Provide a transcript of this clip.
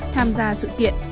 tham gia sự kiện